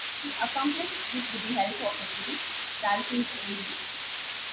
She accomplished this with the help of her team, "Ralphie's Angels".